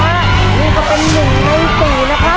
อันนี้มันให้เผือกแล้วนะครับ